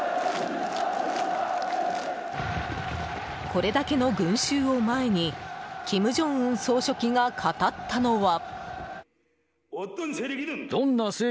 これだけの群衆を前に金正恩総書記が語ったのは。